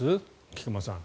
菊間さん。